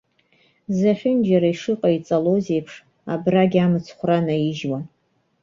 Зегьынџьара ишыҟаиҵалоз аиԥш, абрагь амыцхә ранаижьуан.